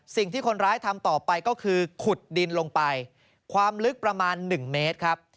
สิ่งที่คนร้ายทำต่อไปก็คือขุดดินลงไปความลึกประมาณ๑เมตรครับ